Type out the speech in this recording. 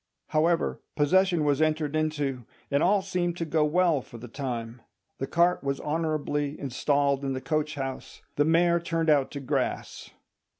However, possession was entered into, and all seemed to go well for the time. The cart was honourably installed in the coach house, the mare turned out to grass.